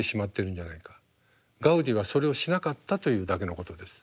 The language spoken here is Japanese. ガウディはそれをしなかったというだけのことです。